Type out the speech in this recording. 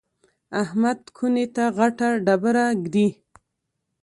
احمد کونې ته غټه ډبره ږدي.